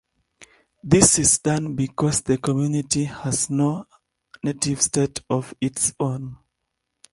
This is done because the community has no native state of its own.